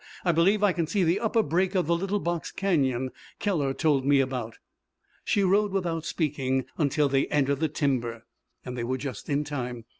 I believe I can see the upper break of the little box canyon Keller told me about." She rode without speaking until they entered the timber. They were just in time.